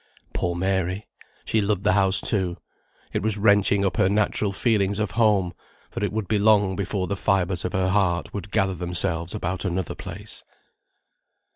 Poor Mary! she loved the house, too. It was wrenching up her natural feelings of home, for it would be long before the fibres of her heart would gather themselves about another place.